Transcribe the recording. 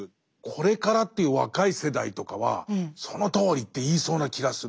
これからという若い世代とかは「そのとおり！」って言いそうな気がする。